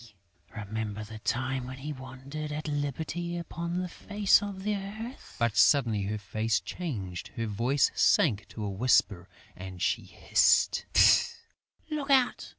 Remember the time when we wandered at liberty upon the face of the earth!..." But, suddenly her face changed, her voice sank to a whisper and she hissed, "Look out!